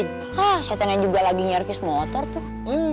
hah setannya juga lagi nyervis motor tuh